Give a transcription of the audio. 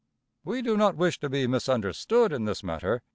We do not wish to be misunderstood in this matter.